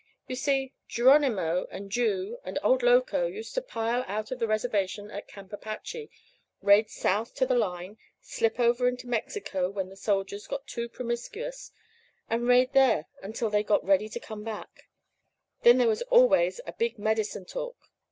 You see, Geronimo, and Ju, and old Loco used to pile out of the reservation at Camp Apache, raid south to the line, slip over into Mexico when the soldiers got too promiscuous, and raid there until they got ready to come back. Then there was always a big medicine talk.